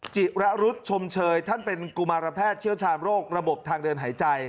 จิระรุษชมเชยท่านเป็นกุมารแพทย์เชี่ยวชาญโรคระบบทางเดินหายใจ